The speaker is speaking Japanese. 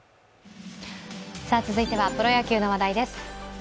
続いては、プロ野球の話題です。